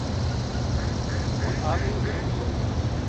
دھند آگئی اندھیرو ب ے